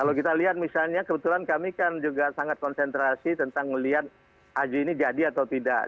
kalau kita lihat misalnya kebetulan kami kan juga sangat konsentrasi tentang melihat haji ini jadi atau tidak